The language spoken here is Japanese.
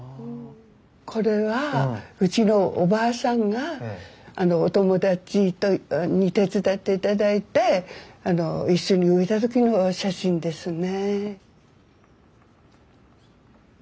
これはうちのおばあさんがお友達に手伝って頂いて一緒に植えた時の写真ですね。